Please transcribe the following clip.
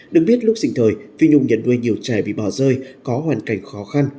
được biết lúc sinh thời phi nhung nhận nuôi nhiều trẻ bị bỏ rơi có hoàn cảnh khó khăn